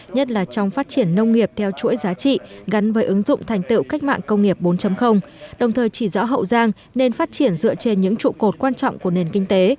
nhất là trong phát triển nông nghiệp theo chuỗi giá trị gắn với ứng dụng thành tựu cách mạng công nghiệp bốn đồng thời chỉ rõ hậu giang nên phát triển dựa trên những trụ cột quan trọng của nền kinh tế